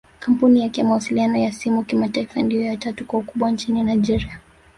Kampuni yake ya mawasiliano ya simu kimataifa ndio ya tatu kwa ukubwa nchini Nigeria